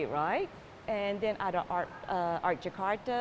dan kemudian ada art jakarta